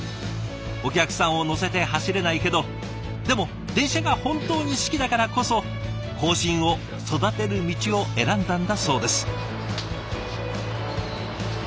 お客さんを乗せて走れないけどでも電車が本当に好きだからこそ後進を育てる道を選んだんだそうです。